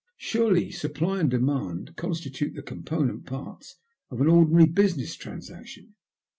Surely supply and demand constitute the component parts of an ordinary business transaction?"